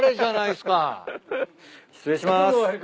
失礼します。